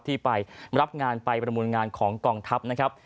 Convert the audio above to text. ที่ไปรับงานไปประมูลงานของกองทัพนะครับ